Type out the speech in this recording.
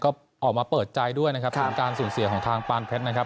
ก็ออกมาเปิดใจด้วยนะครับถึงการสูญเสียของทางปานเพชรนะครับ